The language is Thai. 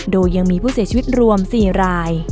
โดยยังมีผู้เสียชีวิตรวม๔ราย